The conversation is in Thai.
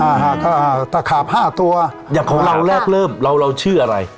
อ่าฮะอ่าตะขาบห้าตัวอย่างของเราแรกเริ่มเราเราชื่ออะไร